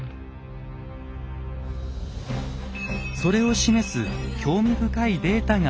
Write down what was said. それを示す興味深いデータがあります。